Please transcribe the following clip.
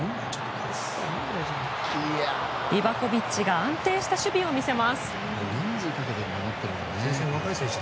リバコビッチが安定した守備を見せます。